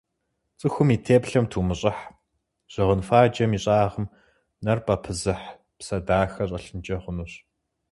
Цӏыхум и теплъэм тумыщӏыхь: щыгъын фаджэм и щӏагъым нэр пӏэпызых псэ дахэ щӏэлъынкӏэ хъунущ.